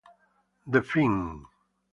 The fin.